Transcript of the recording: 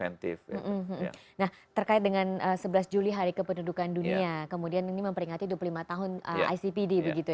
nah terkait dengan sebelas juli hari kependudukan dunia kemudian ini memperingati dua puluh lima tahun icpd begitu ya